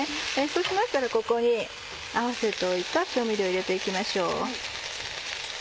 そうしましたらここに合わせておいた調味料を入れて行きましょう。